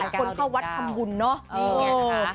คนเข้าวัดทำบุญเนาะ